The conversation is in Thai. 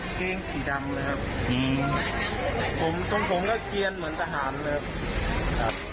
เกงสีดำเลยครับผมตรงผมก็เกียรเหมือนทหารเลยครับ